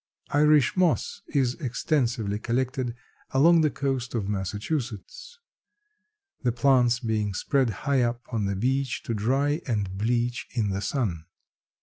Irish moss is extensively collected along the coast of Massachusetts. The plants being spread high up on the beach to dry and bleach in the sun.